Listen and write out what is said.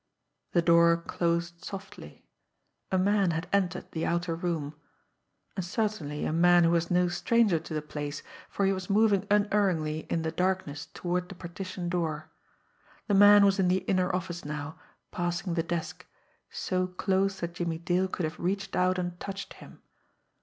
The door closed softly a man had entered the outer room and certainly a man who was no stranger to the place, for he was moving unerringly in the darkness toward the partition door. The man was in the inner office now, passing the desk, so close that Jimmie Dale could have reached out and touched him.